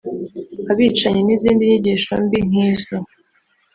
abicanyi n’izindi nyigisho mbi nk’izo